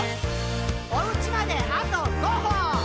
「おうちまであと５歩！」